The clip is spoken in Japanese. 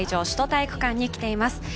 首都体育館に来ています。